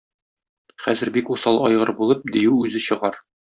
Хәзер бик усал айгыр булып, дию үзе чыгар.